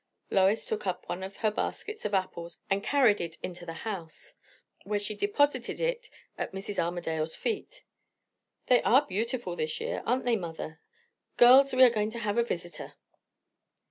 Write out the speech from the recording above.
Lois took up one of her baskets of apples and carried it into the house, where she deposited it at Mrs. Armadale's feet. "They are beautiful this year, aren't they, mother? Girls, we are going to have a visitor."